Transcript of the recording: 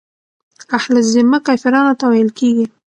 اهل الذمه کافرانو ته ويل کيږي.